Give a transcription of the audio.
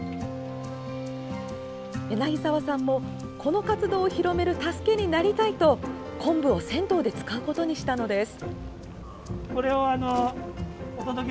柳澤さんも、この活動を広める助けになりたいとこんぶを銭湯で使うことにしたのです。